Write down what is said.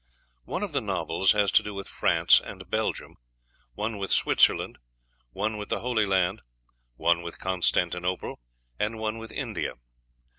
One of the novels has to do with France and Belgium, one with Switzerland, one with the Holy Land, one with Constantinople, and one with India.